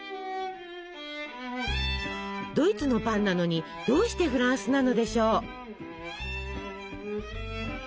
ドイツのパンなのにどうしてフランスなのでしょう？